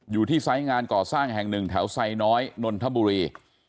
อยู่ที่ไซส์งานก่อสร้างแห่งหนึ่งแถวไซน้อยนนทบุรี